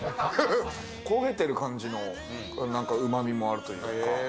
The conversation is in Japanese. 焦げてる感じの、なんかうまみもあるというか。